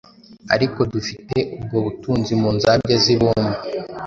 Ariko dufite ubwo butunzi mu nzabya z’ibumba,